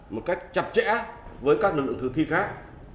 một cách chặt chẽ với các lực lượng thực thi khác